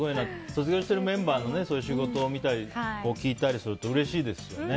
卒業してるメンバーのそういう仕事を見たり聞いたりするとうれしいですよね。